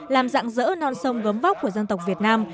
làm dạng dỡ non sông gấm vóc của dân tộc việt nam